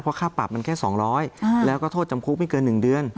เพราะค่าปรับมันแค่๒๐๐แล้วก็โทษจำคุกไม่เกิน๑เดือน